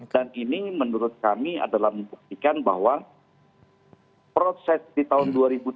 dan ini menurut kami adalah membuktikan bahwa proses di tahun dua ribu dua puluh dua